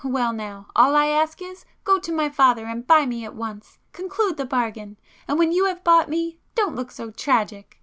Well now, all I ask is, go to my father and buy me at once! Conclude the bargain! And when you have bought me,—don't look so tragic!"